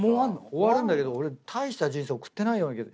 終わるんだけど俺大した人生送ってないような気が。